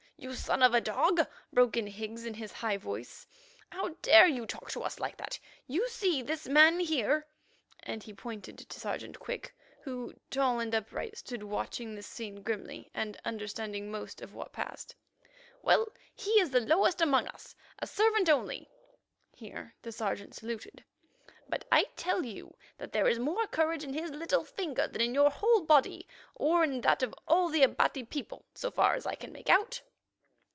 you son of a dog!" broke in Higgs in his high voice. "How dare you talk to us like that? You see this man here"—and he pointed to Sergeant Quick, who, tall and upright, stood watching this scene grimly, and understanding most of what passed—"well, he is the lowest among us—a servant only" (here the Sergeant saluted), "but I tell you that there is more courage in his little finger than in your whole body, or in that of all the Abati people, so far as I can make out."